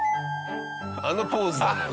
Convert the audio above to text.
あのポーズだもん。